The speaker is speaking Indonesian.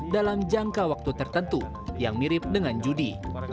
dalam jangka waktu tertentu yang mirip dengan judi